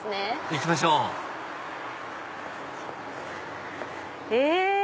行きましょうえ？